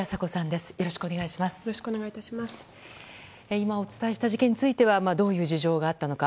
今お伝えした事件についてはどういう事情があったか